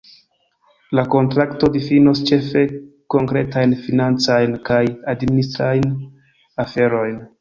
La kontrakto difinos ĉefe konkretajn financajn kaj administrajn aferojn.